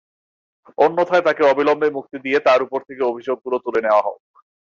অন্যথায় তাঁকে অবিলম্বে মুক্তি দিয়ে তাঁর ওপর থেকে অভিযোগগুলো তুলে নেওয়া হোক।